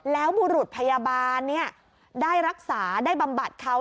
แล้วบุรุษพยาบาลได้รักษาได้บำบัดเขา